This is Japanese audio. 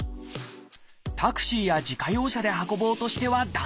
タクシーや自家用車で運ぼうとしては駄目。